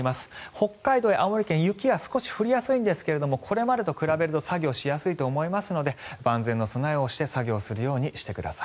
北海道や青森県雪は少し降りやすいんですがこれまでと比べると作業しやすいと思いますので万全の備えをして作業をするようにしてください。